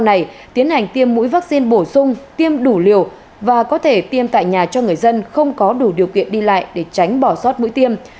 này tiến hành tiêm mũi vaccine bổ sung tiêm đủ liều và có thể tiêm tại nhà cho người dân không có đủ điều kiện đi lại để tránh bỏ sót mũi tiêm